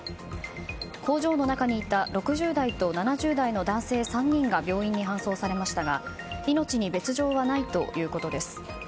工場の中にいた６０代と７０代の男性３人が病院に搬送されましたが命に別条はないということです。